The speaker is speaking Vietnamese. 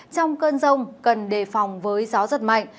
trong cơn rông cần đề phòng với gió giật mạnh